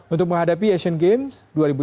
untuk menghadapi asian games dua ribu delapan belas